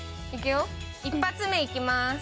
１発目、いきます。